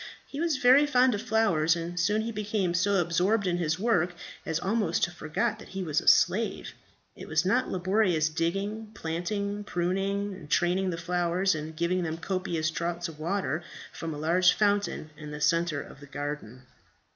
He was very fond of flowers, and soon he became so absorbed in his work as almost to forget that he was a slave. It was not laborious digging, planting, pruning and training the flowers, and giving them copious draughts of water from a large fountain in the centre of the garden.